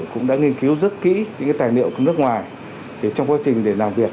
cũng đã nghiên cứu rất kỹ những tài liệu của nước ngoài trong quá trình để làm việc